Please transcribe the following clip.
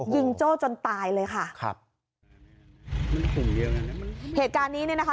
ยิงโจ้จนตายเลยค่ะครับเหตุการณ์นี่นะคะ